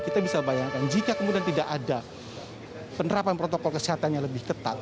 kita bisa bayangkan jika kemudian tidak ada penerapan protokol kesehatan yang lebih ketat